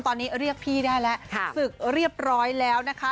ตอนนี้เรียกพี่ได้แล้วศึกเรียบร้อยแล้วนะคะ